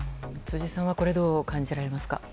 辻さんはこれ、どう感じられますか。